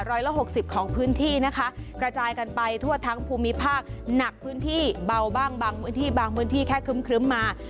ร้อยละหกสิบของพื้นที่นะคะกระจายกันไปทั่วทั้งภูมิภาคหนักพื้นที่เบาบ้างบางพื้นที่บางพื้นที่แค่ครึ้มมา